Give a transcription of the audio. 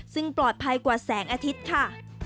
ซึ่งปลอดภัยกว่าแสงอาทิตย์ค่ะ